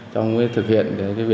trong việc thực hiện